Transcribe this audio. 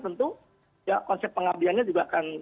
tentu ya konsep pengabdiannya juga akan